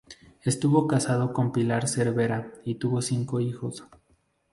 Estuvo casado con Pilar Cervera y tuvo cinco hijos.